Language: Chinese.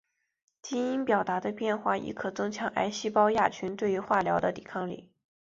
基因表达的变化亦可增强癌细胞亚群对化疗的抵抗力。